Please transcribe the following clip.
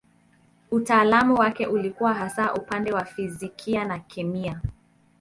Utaalamu wake ulikuwa hasa upande wa fizikia na kemia.